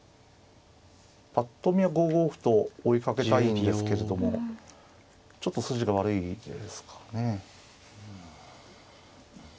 ぱっと見は５五歩と追いかけたいんですけれどもちょっと筋が悪いですかね。